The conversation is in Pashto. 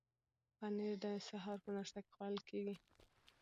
پنیر د سهار په ناشته کې خوړل کیږي.